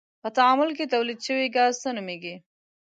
په تعامل کې تولید شوی ګاز څه نومیږي؟